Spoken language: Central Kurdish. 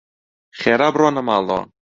خێرا بڕۆنە ماڵەوە.